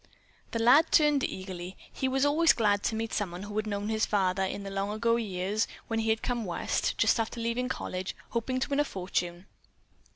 The lad turned eagerly. He was always glad to meet someone who had known his father in the long ago years, when he had come West, just after leaving college, hoping to win a fortune.